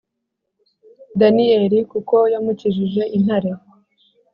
Daniyeli kuko yamukijije intare